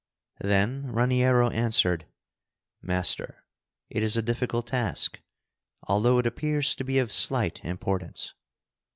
Then Raniero answered: "Master, it is a difficult task, although it appears to be of slight importance.